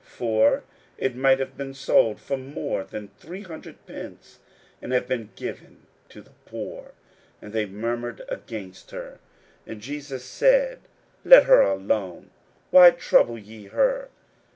41:014:005 For it might have been sold for more than three hundred pence, and have been given to the poor. And they murmured against her. 41:014:006 And Jesus said, Let her alone; why trouble ye her?